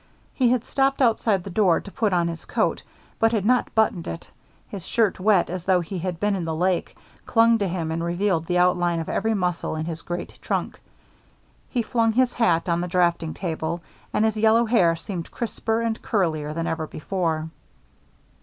He had stopped outside the door to put on his coat, but had not buttoned it; his shirt, wet as though he had been in the lake, clung to him and revealed the outline of every muscle in his great trunk. He flung his hat on the draughting table, and his yellow hair seemed crisper and curlier than ever before.